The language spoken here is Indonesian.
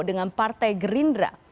dengan partai gerindra